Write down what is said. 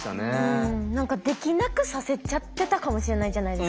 何かできなくさせちゃってたかもしれないじゃないですか。